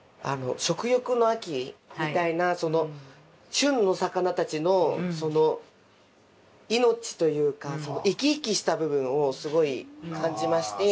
食欲の秋みたいなその旬の魚たちの命というか生き生きした部分をすごい感じまして。